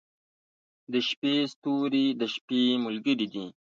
• د شپې ستوري د شپې ملګري دي.